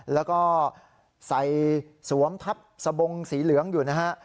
แล้วก็ใส่สวมทับสบงสีเหลืองอยู่นะฮะ